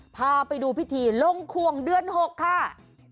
พาไปดูพิธีลงควงเดือน๖ค่ะ